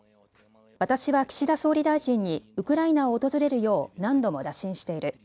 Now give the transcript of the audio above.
私は岸田総理大臣にウクライナを訪れるよう何度も打診している。